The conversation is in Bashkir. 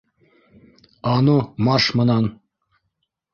А ну марш мынан!